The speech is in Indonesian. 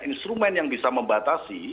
instrumen yang bisa membatasi